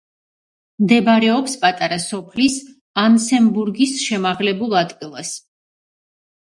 მდებარეობს პატარა სოფლის ანსემბურგის შემაღლებულ ადგილას.